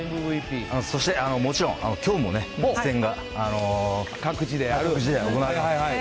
そしてもちろん、きょうもね、試合が各地で行われます。